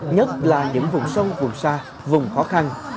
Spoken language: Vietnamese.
nhất là những vùng sâu vùng xa vùng khó khăn